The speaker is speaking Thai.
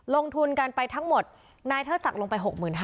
ลงทุนกันไปทั้งหมดนายเทิดศักดิ์ลงไป๖๕๐๐